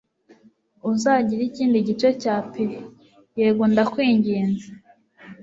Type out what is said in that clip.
Uzagira ikindi gice cya pie? Yego ndakwinginze